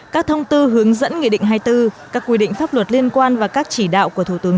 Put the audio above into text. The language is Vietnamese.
các thông tư hướng dẫn nghị định hai mươi bốn các quy định pháp luật liên quan và các chỉ đạo của thủ tướng